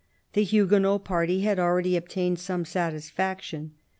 The Huguenot party had already obtained some satisfaction.